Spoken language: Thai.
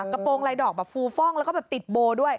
กระโปรงลายดอกแบบฟูฟ่องแล้วก็แบบติดโบด้วย